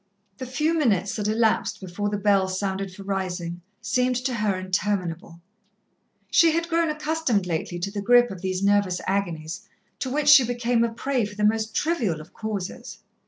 The few minutes that elapsed before the bell sounded for rising, seemed to her interminable. She had grown accustomed lately to the grip of these nervous agonies, to which she became a prey for the most trivial of causes.